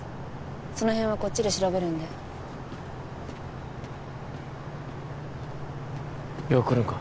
その辺はこっちで調べるんでよう来るんか？